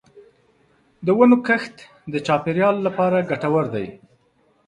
د ونو کښت د چاپېریال لپاره ګټور دی.